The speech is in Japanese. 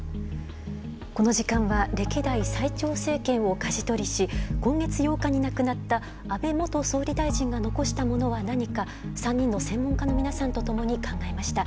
この時間は歴代最長政権をかじ取りし今月８日に亡くなった安倍元総理大臣が残したものは何か３人の専門家の皆さんとともに考えました。